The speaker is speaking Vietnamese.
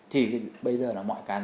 thì bây giờ là mọi cái nó đã